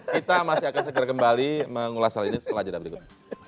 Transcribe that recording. kita masih akan segera kembali mengulas hal ini setelah jeda berikut